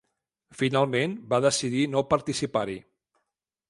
Finalment, va decidir no participar-hi.